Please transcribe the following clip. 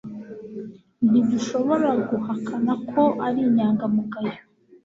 ntidushobora guhakana ko ari inyangamugayo